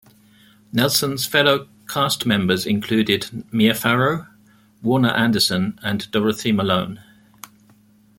Nelson's fellow cast members included Mia Farrow, Warner Anderson, and Dorothy Malone.